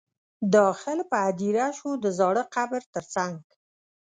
داخل په هدیره شو د زاړه قبر تر څنګ.